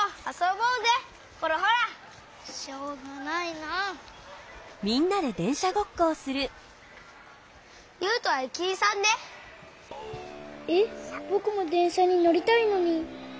ぼくもでんしゃにのりたいのに。